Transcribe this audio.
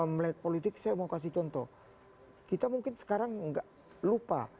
melek politik saya mau kasih contoh kita mungkin sekarang nggak lupa